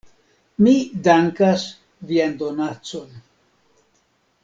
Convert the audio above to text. Mi dankas vian donacon.